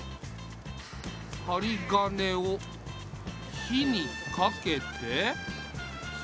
はりがねを火にかけて。